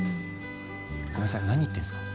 ごめんなさい何言ってんすか？